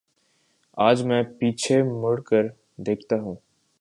آج میں پیچھے مڑ کر دیکھتا ہوں۔